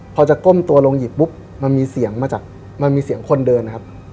พอจะก้มตัวลงหยิบปุ๊บมันมีเสียงมาจากมันมีเสียงคนเดินนะครับ